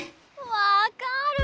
わかる！